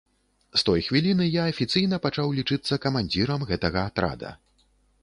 З той хвіліны я афіцыйна пачаў лічыцца камандзірам гэтага атрада.